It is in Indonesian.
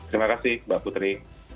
terima kasih mbak putri